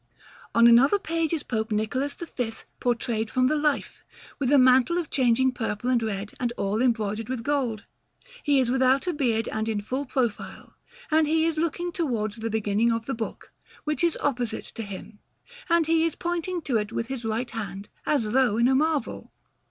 On another page is Pope Nicholas V, portrayed from the life, with a mantle of changing purple and red and all embroidered with gold. He is without a beard and in full profile, and he is looking towards the beginning of the book, which is opposite to him; and he is pointing to it with his right hand, as though in a marvel.